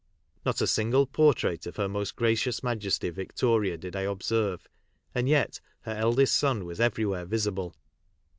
Not a single portrait of Her Most Gracious Majesty, Victoria, did I observe, and yet her eldest son was everywhere visible.